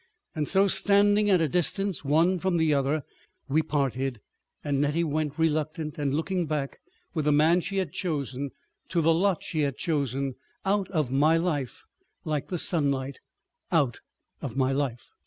... And so, standing at a distance one from the other, we parted, and Nettie went, reluctant and looking back, with the man she had chosen, to the lot she had chosen, out of my life—like the sunlight out of my life.